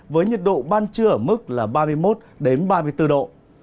với nhiệt độ ban trưa ở mức là ba mươi một ba mươi bốn độ